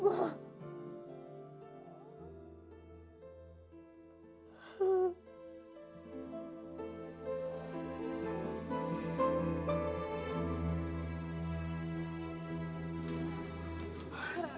aku butuh kamu